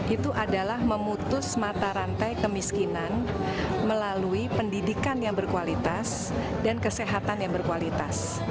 itu adalah memutus mata rantai kemiskinan melalui pendidikan yang berkualitas dan kesehatan yang berkualitas